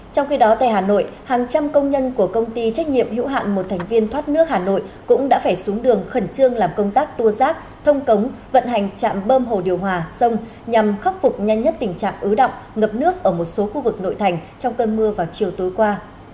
trong khi đó tại hà nội hàng trăm công nhân của công ty trách nhiệm hữu hạn một thành viên thoát nước hà nội cũng đã phải xuống đường khẩn trương làm công tác tua rác thông cống vận hành trạm bơm hồ điều hòa sông nhằm khắc phục nhanh nhất tình trạng ứ động ngập nước ở một số khu vực nội thành trong cơn mưa vào chiều tối qua